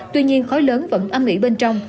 tuy nhiên khói lớn vẫn âm mỹ bên trong